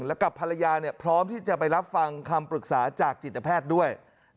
และกับภรรยาพร้อมที่จะไปรับฟังคำปรึกษาจากจิตแพทย์ด้วย